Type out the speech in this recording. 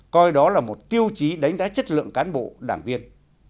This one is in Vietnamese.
coi đó là một tiêu chí đánh giá chất lượng cán bộ đảng viên